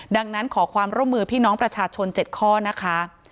ดังนั้นขอความร่วมมือพี่น้องประชาชน๗ข้อนะคะ